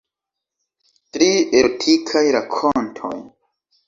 Tri erotikaj rakontoj.